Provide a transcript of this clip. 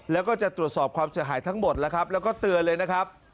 แล้วก็จะตรวจสอบความเสียหายทั้งหมดแล้วครับแล้วก็เตือนเลยนะครับ